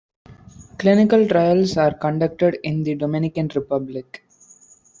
Clinical trials are conducted in the Dominican Republic.